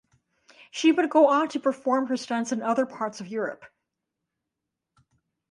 She would go on to perform her stunts in other parts of Europe.